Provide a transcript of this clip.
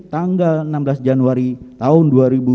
tanggal enam belas januari tahun dua ribu dua puluh